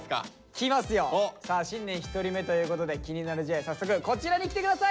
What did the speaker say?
来ますよさあ新年１人目ということで「気になるＪ」早速こちらに来て下さい。